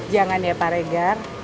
jangan ya pak regat